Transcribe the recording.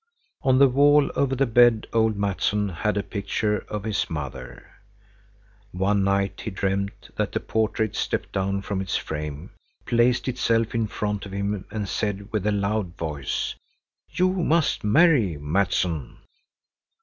On the wall over the bed old Mattsson had a picture of his mother. One night he dreamed that the portrait stepped down from its frame, placed itself in front of him and said with a loud voice: "You must marry, Mattson."